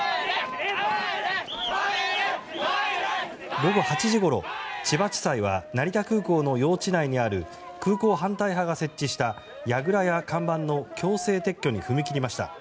午後８時ごろ、千葉地裁は成田空港の用地内にある空港反対派が設置したやぐらや看板の強制撤去に踏み切りました。